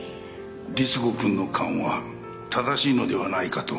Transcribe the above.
りつ子くんの勘は正しいのではないかと思ったんだ。